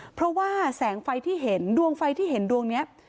เพราะว่าแสงไฟที่เห็นดวงไฟที่เห็นดวงนี้